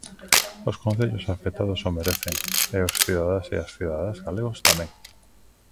Os concellos afectados o merecen, e os cidadáns e as cidadás galegos tamén.